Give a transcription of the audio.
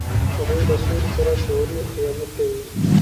هغوی له سولې سره شعوري خیانت کوي.